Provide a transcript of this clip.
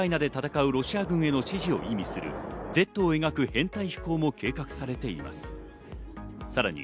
今年はウクライナで戦うロシア軍への支持を意味する「Ｚ」を描く編隊飛行も計画されています。